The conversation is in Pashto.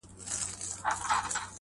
دا تاريخ دمېړنيو -